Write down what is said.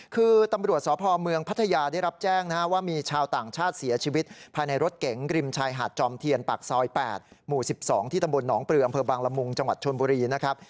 คือตำรวจสพเมืองพัทยาได้รับแจ้งนะฮะว่ามีชาวต่างชาติเสียชีวิตภายในรถเก๋งริมชายหาดจอมเทียนปากซอย๘หมู่๑๒ที่ตำบลหนองปลืออำเภอบางละมุงจังหวัดชนบุรีนะครับ